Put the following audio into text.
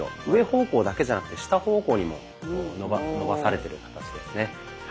上方向だけじゃなくて下方向にも伸ばされてる形ですね。